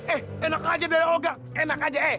eh enak aja dari olga enak aja